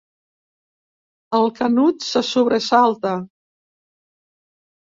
El Canut se sobresalta.